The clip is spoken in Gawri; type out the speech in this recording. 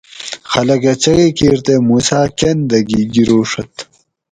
خلکہ چغی کیر تے موسیٰ کۤن دہ گی گروڛت